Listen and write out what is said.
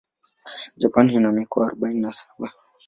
Japan ina mikoa arubaini na saba.